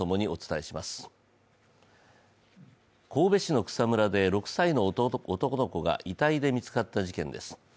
神戸市の草むらで６歳の男の子が遺体で見つかった事件です。